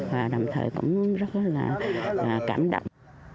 và đồng thời cũng rất là cảm động